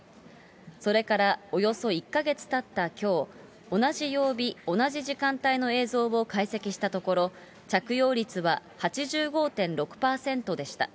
それからおよそ１か月たったきょう、同じ曜日、同じ時間帯の映像を解析したところ、着用率は８５．６％でした。